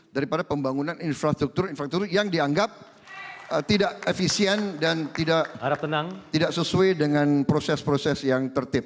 daripada pembangunan infrastruktur infrastruktur yang dianggap tidak efisien dan tidak sesuai dengan proses proses yang tertib